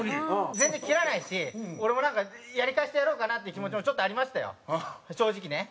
全然蹴らないし俺もなんかやり返してやろうかなっていう気持ちもちょっとありましたよ正直ね。